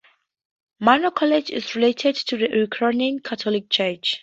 Manor College is related to the Ukrainian Catholic Church.